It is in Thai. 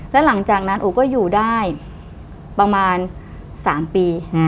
แล้วหลังจากนั้นโอก็อยู่ได้ประมาณ๓ปี